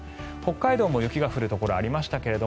北海道も雪が降るところありましたが